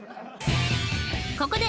ここで。